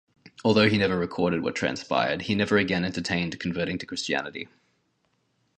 Although he never recorded what transpired, he never again entertained converting to Christianity.